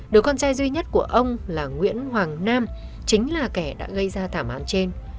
đứa con trai duy nhất của ông là nguyễn hoàng nam chính là kẻ đã gây ra thảm án trên